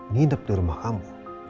ngidap di rumah kamu